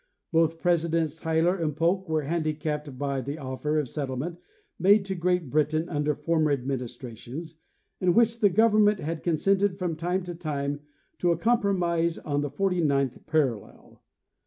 Both Presidents Tyler and Polk were handicapped by the offer of settlement made to Great Britain under former administrations, in which the government had consented from time to time to a compromise on the forty ninth parallel.